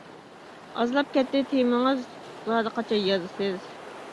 ئازلاپ كەتتى تېمىڭىز، زادى قاچان يازىسىز.